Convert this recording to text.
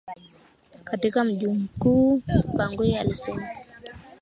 katika mji mkuu Bangui alisema